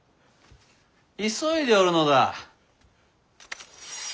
急いでおるのだ。